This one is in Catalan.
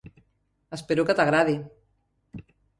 Espero que t'agradi.